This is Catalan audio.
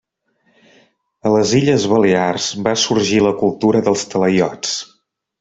A les Illes Balears, va sorgir la cultura dels talaiots.